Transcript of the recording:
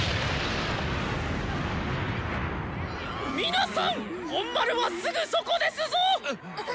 皆さん本丸はすぐそこですぞ！